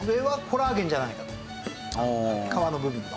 皮の部分の。